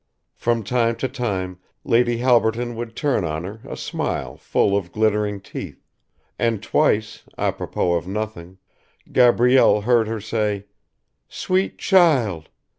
From time to time Lady Halberton would turn on her a smile full of glittering teeth, and twice, apropos of nothing, Gabrielle heard her say: "Sweet child!